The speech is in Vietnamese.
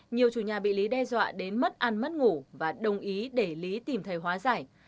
nhiều chủ nhà bị lý đe dọa đến mất ăn mất ngủ và đồng ý để lý tìm thầy hóa giải